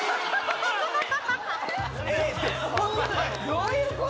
どういうこと？